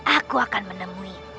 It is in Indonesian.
aku akan menemuinmu